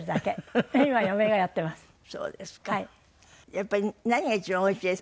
やっぱり何が一番おいしいです？